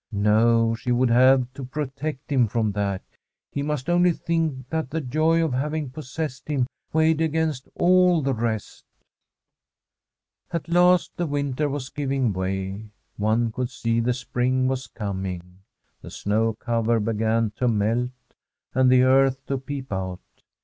No, she would have to protect him from that. He must only think that the joy of having possessed him weighed against all the rest. At last the winter was giving way. One could see the spring was coming. The snow cover be gan to melt, and the earth to peep out.